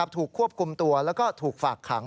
ถูกควบคุมตัวแล้วก็ถูกฝากขัง